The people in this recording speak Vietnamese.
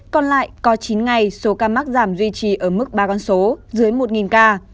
còn lại có chín ngày số ca mắc giảm duy trì ở mức ba con số dưới một ca